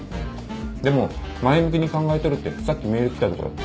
でも前向きに考えとるってさっきメール来たっちゃ。